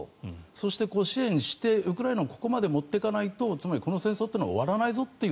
そして、支援してウクライナをここまで持っていかないとつまりこの戦争は終わらないぞと。